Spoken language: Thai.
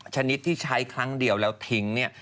ชนิดที่ใช้ครั้งเดียวแล้วทิ้งเนี่ย